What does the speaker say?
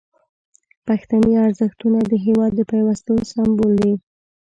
پښتني ارزښتونه د هیواد د پیوستون سمبول دي.